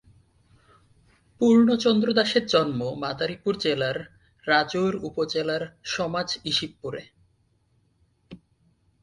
পূর্ণচন্দ্র দাসের জন্ম মাদারিপুর জেলার রাজৈর উপজেলার সমাজ ইশিবপুরে।